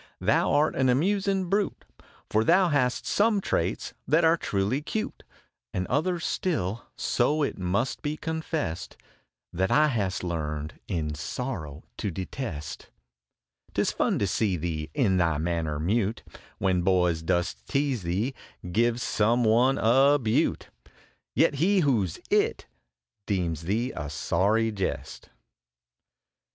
" Thou art an amusin brute, For thou hast some traits that are truly cute And others, still, so it must be confessed, That I hast learned in sorrow to detest. Tis fun to see thee, in thy manner mute, SONNETS OF A BUDDING BARD When boys dost tease thee, give some one a " beaut, Yet, he who s " it " deems thee a sorry jest.